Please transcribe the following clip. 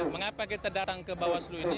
mengapa kita datang ke bawaslu ini